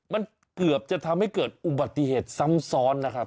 มันเกือบจะทำให้เกิดอุบัติเหตุซ้ำซ้อนนะครับ